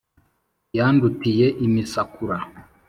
Yandutiye imisakura